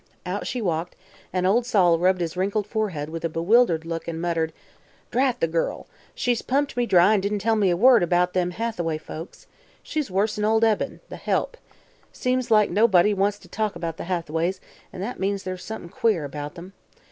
Out she walked, and old Sol rubbed his wrinkled forehead with a bewildered look and muttered: "Drat the gal! She's pumped me dry an' didn't tell me a word about them Hathaway folks. She worse'n ol' Eben, the nigger help. Seems like nobody wants t' talk about the Hathaways, an' that means there's somethin' queer about 'em.